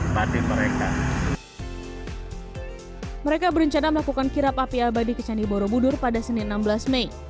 batin mereka mereka berencana melakukan kirap api abadi kecandi borobudur pada senin enam belas mei